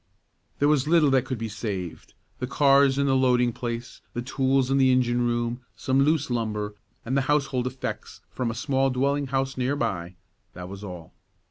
There was little that could be saved; the cars in the loading place, the tools in the engine room, some loose lumber, and the household effects from a small dwelling house near by; that was all.